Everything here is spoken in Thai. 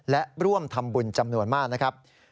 และร่วมทำบุญจำนวนมากนะครับ